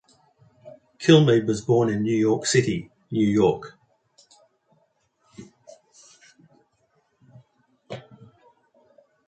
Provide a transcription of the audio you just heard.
Kilmeade was born in New York City, New York.